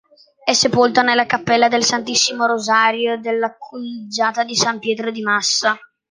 È sepolto nella Cappella del Santissimo Rosario della Collegiata di San Pietro di Massa.